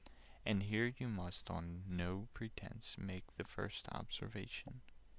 "And here you must on no pretence Make the first observation.